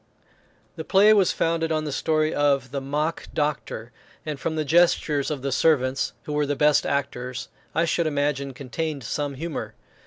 The play was founded on the story of the "Mock Doctor;" and, from the gestures of the servants, who were the best actors, I should imagine contained some humour.